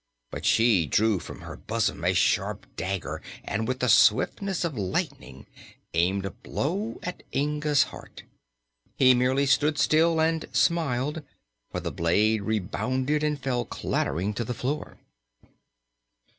But she drew from her bosom a sharp dagger and with the swiftness of lightning aimed a blow at Inga's heart. He merely stood still and smiled, for the blade rebounded and fell clattering to the floor.